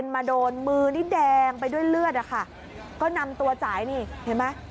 มาโดนมือนี่แดงไปด้วยเลือดอะค่ะก็นำตัวจ่ายนี่เห็นไหม